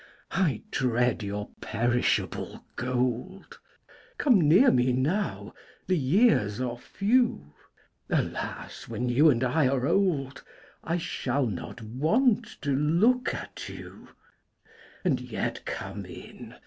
I dread your perishable gold: Come near me now; the years are few. Alas, when you and I are old I shall not want to look at you: And yet come in.